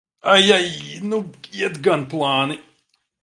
Ai, ai! Nu iet gan plāni!